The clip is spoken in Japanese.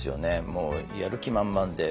もうやる気満々で。